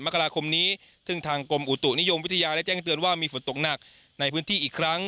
มกราคมนี้ซึ่งทางกรมอุตุนิยมวิทยาได้แจ้งเตือนว่ามีฝนตกหนักในพื้นที่อีกครั้ง